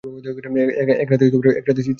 এক রাতে শীত ছিল প্রচণ্ড।